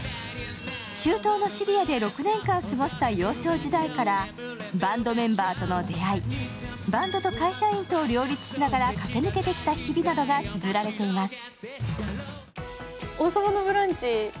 中東のシリアで６年間過ごした幼少時代からバンドメンバーとの出会い、バンドと会社員とを両立しながら駆け抜けてきた日々などがつづられています。